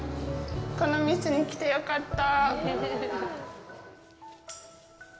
この店に来てよかった。